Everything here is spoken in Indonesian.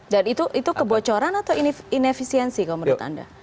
dan itu kebocoran atau inefisiensi kalau menurut anda